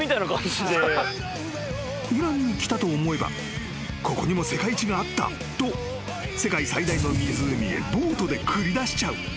［イランに来たと思えばここにも世界一があったと世界最大の湖へボートで繰り出しちゃう］